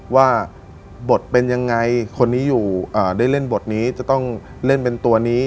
ว่าบทเป็นยังไงคนนี้อยู่ได้เล่นบทนี้จะต้องเล่นเป็นตัวนี้